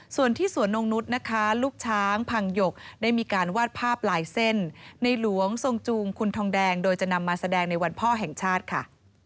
ส่วนที่สวนนงนุษย์นะคะลูกช้างพังหยกได้มีการวาดภาพลายเส้นในหลวงทรงจูงคุณทองแดงโดยจะนำมาแสดงในวันพ่อแห่งชาติค่ะ